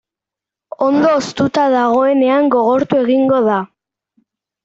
Ondo hoztuta dagoenean gogortu egingo da.